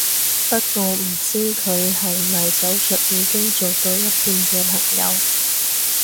不過唔知佢係咪手術已經做到一半嘅朋友